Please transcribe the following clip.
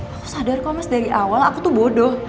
aku sadar kok mas dari awal aku tuh bodoh